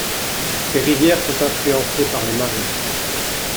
Ces rivières sont influencées par les marées.